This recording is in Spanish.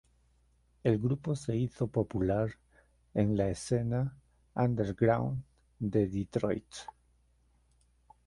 El grupo se hizo popular en la escena underground de Detroit.